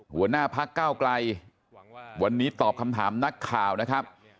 หัวหน้าพักเก้าไกลวันนี้ตอบคำถามนักข่าวนะครับ